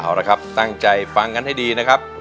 เอาละครับตั้งใจฟังกันให้ดีนะครับ